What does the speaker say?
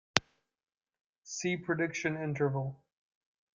See prediction interval.